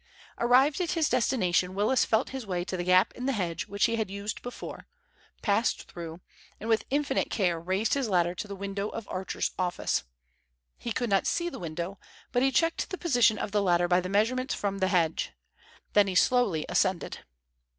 Arrived at his destination, Willis felt his way to the gap in the hedge which he had used before, passed through, and with infinite care raised his ladder to the window of Archer's office. He could not see the window, but he checked the position of the ladder by the measurements from the hedge. Then he slowly ascended.